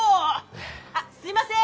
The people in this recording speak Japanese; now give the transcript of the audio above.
あっすいません！